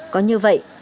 có như vậy